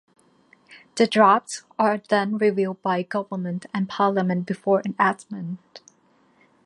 The drafts are then reviewed by government and parliament before enactment.